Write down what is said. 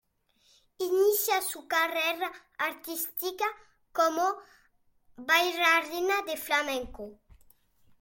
Inicia su carrera artística como bailarina de flamenco.